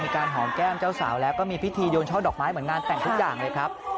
การหอมแก้มเจ้าสาวแล้วก็มีพิธีโยนช่อดอกไม้เหมือนงานแต่งทุกอย่างเลยครับ